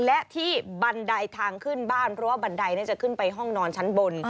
และที่บันไดทางขึ้นบ้านเพราะว่าบันไดจะขึ้นไปห้องนอนชั้นบน